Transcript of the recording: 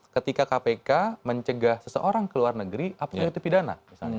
ketika kpk mencegah seseorang ke luar negeri apakah itu pidana misalnya